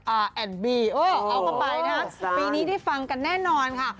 เอ้อเอากลับไปนะปีนี้ได้ฟังกันแน่นอนค่ะ